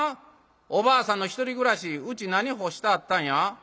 おばあさんのひとり暮らしうち何干してあったんや？」。